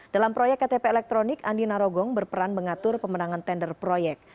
dalam proyek ktp elektronik andi narogong berperan mengatur pemenangan tender proyek